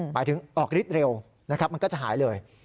หมายถึงออกฤทธิ์เร็วนะครับมันก็จะหายเลย